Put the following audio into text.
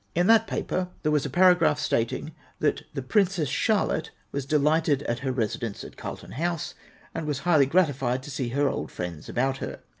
In that paper there was a para graph, stating that the Princess Charlotte was delighted at her residence at Carlton House, and was highly gratified to see her old friends about her.